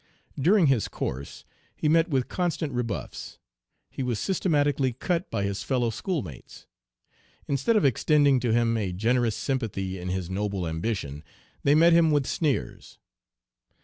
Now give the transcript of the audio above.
During his course he met with constant rebuffs. He was systematically cut by his fellow schoolmates. Instead of extending to him a generous sympathy in his noble ambition, they met him with sneers.